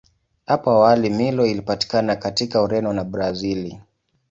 Hapo awali Milo ilipatikana katika Ureno na Brazili.